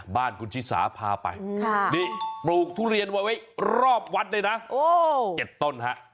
บ้านคุณชิสาพาไปนี่ปลูกทุเรียนไว้รอบวัดเลยนะ๗ต้นฮะ